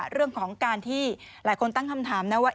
เรื่องของการที่หลายคนตั้งคำถามนะว่า